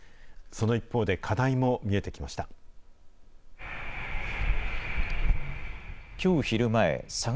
その一方で、課題も見えてきました。